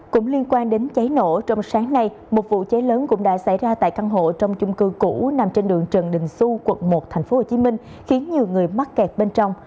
cũng liên quan đến cháy nổ trong sáng nay một vụ cháy lớn cũng đã xảy ra tại căn hộ trong chung cư cũ nằm trên đường trần đình xu quận một tp hcm khiến nhiều người mắc kẹt bên trong